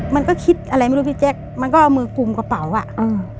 มันก็คิดอะไรไม่รู้พี่แจ๊คมันก็เอามือกลุ่มกระเป๋าอ่ะอืม